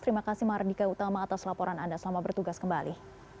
terima kasih mardika utama atas laporan anda selamat bertugas kembali